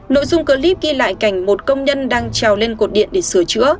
nội dung clip ghi lại cảnh một công nhân đang treo lên cột điện để sửa chữa